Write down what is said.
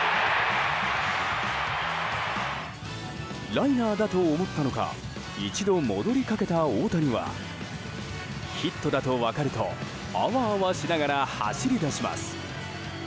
ライナーだと思ったのか一度、戻りかけた大谷はヒットだと分かるとあわあわしながら走り出します。